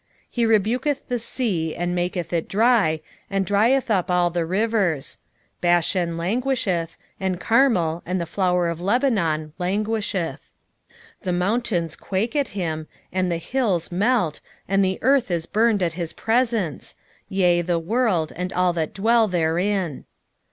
1:4 He rebuketh the sea, and maketh it dry, and drieth up all the rivers: Bashan languisheth, and Carmel, and the flower of Lebanon languisheth. 1:5 The mountains quake at him, and the hills melt, and the earth is burned at his presence, yea, the world, and all that dwell therein.